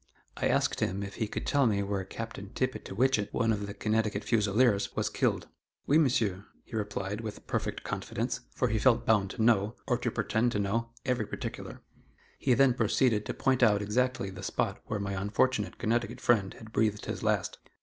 I asked him if he could tell me where Captain Tippitiwichet, of the Connecticut Fusileers, was killed. "Oui, Monsieur," he replied, with perfect confidence, for he felt bound to know, or to pretend to know, every particular. He then proceeded to point out exactly the spot where my unfortunate Connecticut friend had breathed his last.